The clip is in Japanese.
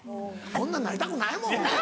こんなんなりたくないもん。